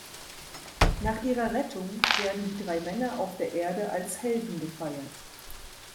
Nach ihrer Rettung werden die drei Männer auf der Erde als Helden gefeiert.